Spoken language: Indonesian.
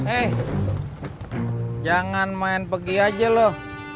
eh jangan main pergi aja loh